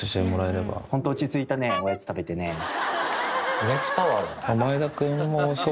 おやつパワー。